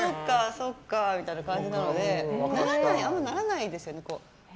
そっかみたいな感じなのであんまりならないですよね。